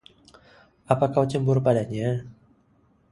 Apa kau cemburu padanya?